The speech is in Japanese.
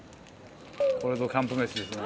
これぞ、キャンプ飯ですね。